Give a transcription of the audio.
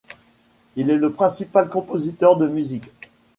Il est le principal compositeur de musique.